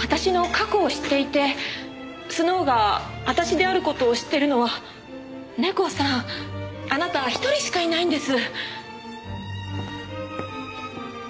私の過去を知っていてスノウが私である事を知っているのはネコさんあなた一人しかいないんです。